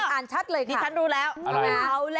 อะไรเหรอ